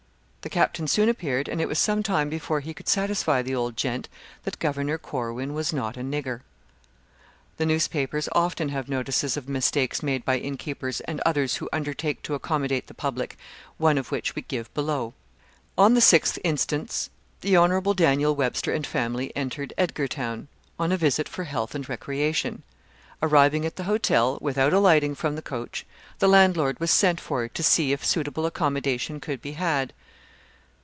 The captain soon appeared, and it was sometime before he could satisfy the old gent, that Governor Corwin was not a nigger. The newspapers often have notices of mistakes made by innkeepers and others who undertake to accommodate the public, one of which we give below. On the 6th inst., the Hon. Daniel Webster and family entered Edgartown, on a visit for health and recreation. Arriving at the hotel, without alighting from the coach, the landlord was sent for to see if suitable accommodation could be had.